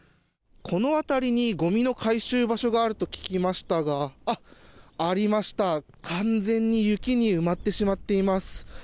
このあたりにゴミの回収場所があると聞きましたがありました完全に雪に埋まってしまっています。